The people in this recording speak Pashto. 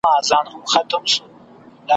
دا تخمونه زرغونیږي او لوییږي `